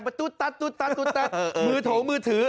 แบบตุ๊ดตั๊ดมือโถมือถือ